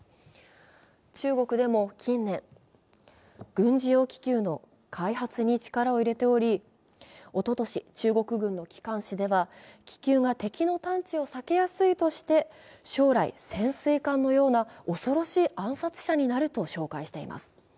中国でも近年、軍事用気球の開発に力を入れておりおととし、中国軍の機関紙では、気球が敵の探知を避けやすいとして将来、潜水艦のような恐ろしい暗殺者になると紹介しています。